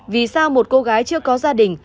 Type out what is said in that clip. vì sao một cô gái chưa có gia đình